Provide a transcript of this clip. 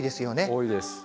多いです。